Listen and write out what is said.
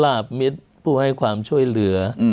ลาบมิตรผู้ให้ความช่วยเหลือ